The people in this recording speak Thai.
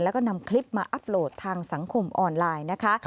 แล้วก็นำคลิปมาอัพโหลดทางสังคมออนไลน์นะคะ